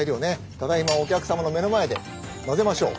ただいまお客様の目の前でまぜましょう。